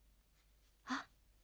あっ。